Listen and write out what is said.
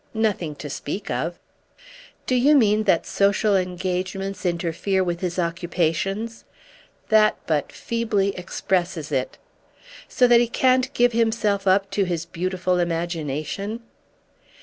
"Nothing to speak of!" "Do you mean that social engagements interfere with his occupations?" "That but feebly expresses it." "So that he can't give himself up to his beautiful imagination?"